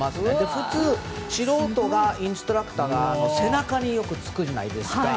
普通、素人はインストラクターが背中につくじゃないですか。